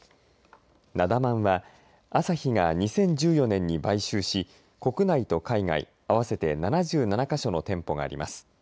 なだ万はアサヒが２０１４年に買収し国内と海外合わせて７７か所の店舗があります。